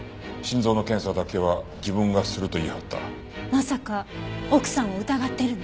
まさか奥さんを疑ってるの？